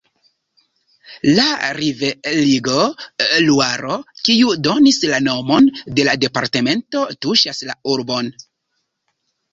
La riverego Luaro, kiu donis la nomon de la departemento, tuŝas la urbon.